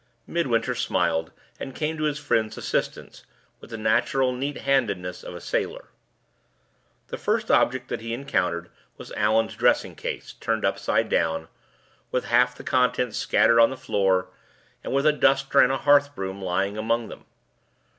Midwinter smiled, and came to his friend's assistance with the natural neat handedness of a sailor. The first object that he encountered was Allan's dressing case, turned upside down, with half the contents scattered on the floor, and with a duster and a hearth broom lying among them.